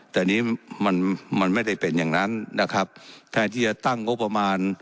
แต่นี้มันมันไม่ได้เป็นอย่างนั้นนะครับแทนที่จะตั้งงบประมาณ